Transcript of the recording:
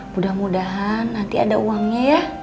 mudah mudahan nanti ada uangnya ya